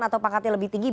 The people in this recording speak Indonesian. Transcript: atau pakatnya lebih tinggi